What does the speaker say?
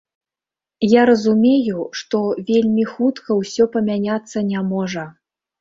Я разумею, што вельмі хутка ўсё памяняцца не можа.